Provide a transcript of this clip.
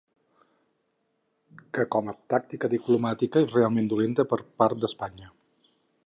Que com a tàctica diplomàtica és realment dolenta per part d’Espanya.